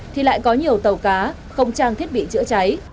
thì lại có nhiều tàu cá không trang thiết bị chữa cháy